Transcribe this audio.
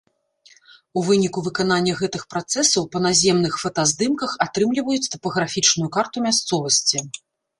У выніку выканання гэтых працэсаў па наземных фотаздымках атрымліваюць тапаграфічную карту мясцовасці.